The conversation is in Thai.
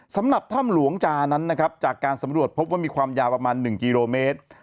สำหรับถ้ำหลวงจานั้นนะครับจากการสำรวจพบว่ามีความยาวประมาณ๑กิโลเมตร